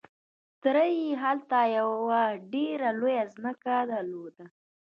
تره يې هلته يوه ډېره لويه ځمکه درلوده.